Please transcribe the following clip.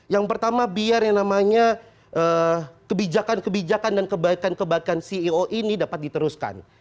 yang pertama biar yang namanya kebijakan kebijakan dan kebaikan kebaikan ceo ini dapat diteruskan